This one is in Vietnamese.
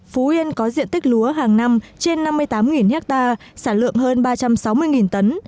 phú yên có diện tích lúa hàng năm trên năm mươi tám ha sản lượng hơn ba trăm sáu mươi tấn